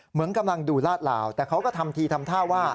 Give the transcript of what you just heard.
เหมือนกำลังดูลาดลาวแต่เขาก็ทำทีทำท่าว่า